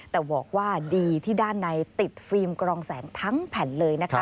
แต่บอกว่าดีที่ด้านในติดฟิล์มกรองแสงทั้งแผ่นเลยนะคะ